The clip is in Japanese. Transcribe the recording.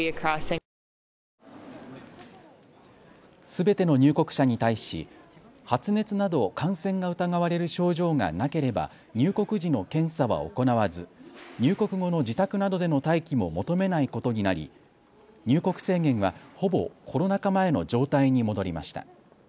すべての入国者に対し、発熱など感染が疑われる症状がなければ入国時の検査は行わず入国後の自宅などでの待機も求めないことになり入国制限はほぼコロナ禍前の状態に戻りました。